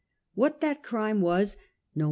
What that crime was no A.